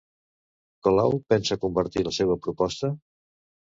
Colau pensa compartir la seva proposta?